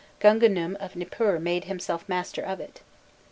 Gungunum of Nipur made himself master of it.